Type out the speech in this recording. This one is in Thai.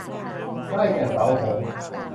ได้แก่เสาหงส์